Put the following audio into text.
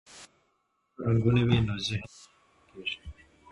که رنګونه وي نو ذهن نه مړاوی کیږي.